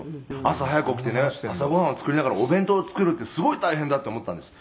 「朝早く起きてね朝ご飯を作りながらお弁当を作るってすごい大変だって思ったんです」